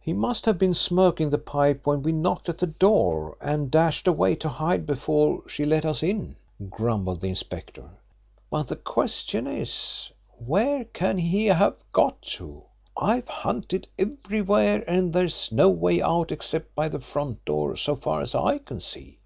"He must have been smoking the pipe when we knocked at the door, and dashed away to hide before she let us in," grumbled the inspector. "But the question is where can he have got to? I've hunted everywhere, and there's no way out except by the front door, so far as I can see.